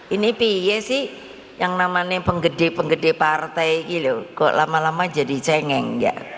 ini py sih yang namanya penggede penggede partai gitu kok lama lama jadi cengeng